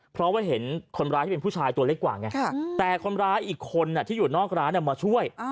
เพราะว่าเห็นคนร้ายที่เป็นผู้ชายตัวเล็กกว่าไงแต่คนร้ายอีกคนที่อยู่นอกร้านมาช่วย